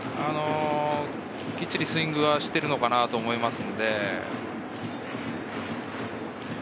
きっちりスイングしているのかなと思います。